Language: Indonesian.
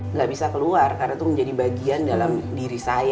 nggak bisa keluar karena itu menjadi bagian dalam diri saya